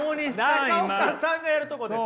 中岡さんがやるとこです。